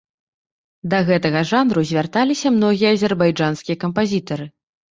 Да гэтага жанру звярталіся многія азербайджанскія кампазітары.